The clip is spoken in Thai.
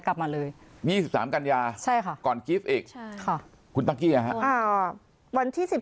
กลับมาเลยมี๒๓กันยาใช่ค่ะก่อนกิฟต์อีกค่ะคุณตั๊กกี้วันที่